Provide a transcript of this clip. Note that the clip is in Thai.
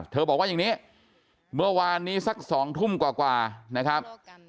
บอกว่าอย่างนี้เมื่อวานนี้สัก๒ทุ่มกว่านะครับ